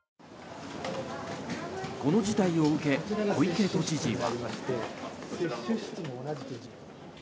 この事態を受け小池都知事は。